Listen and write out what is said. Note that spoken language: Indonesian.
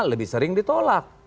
lebih sering ditolak